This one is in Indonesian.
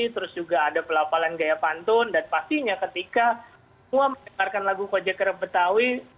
terus juga ada pelapalan gaya pantun dan pastinya ketika semua menyebarkan lagu kojek kerap betawi